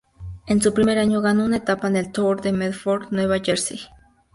En su primer año ganó una etapa en el Tour de Medford Nueva Jersey.